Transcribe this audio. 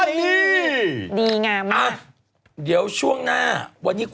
นำเงิน๐๑๐๕๑๐๐บาท